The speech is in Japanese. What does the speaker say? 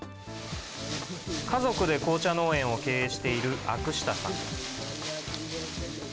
家族で紅茶農園を経営している、アクシタさん。